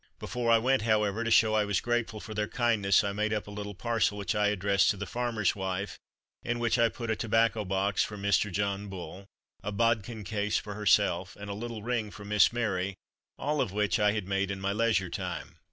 Before I went, however, to show I was grateful for their kindness, I made up a little parcel which I addressed to the farmer's wife, in which I put a tobacco box for Mr. John Bull, a bodkin case for herself, and a little ring for Miss Mary, all of which I had made in my leisure time.